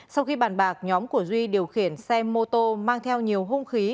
sau khi bàn bạc nhóm của duy điều khiển xe mô tô mang theo nhiều hung khí